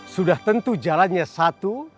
sudah tentu jalannya satu